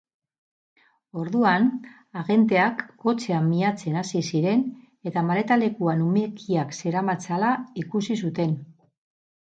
Orduan, agenteak kotxea miatzen hasi ziren eta maleta-lekuan umekiak zeramatzala ikusi zuten.